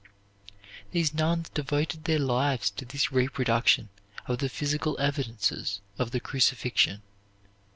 These nuns devoted their lives to this reproduction of the physical evidences of the crucifixion.